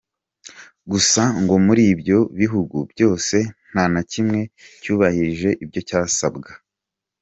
Gusa ngo muri ibyo bihugu byose nta na kimwe cyubahirije ibyo cyasabwaga.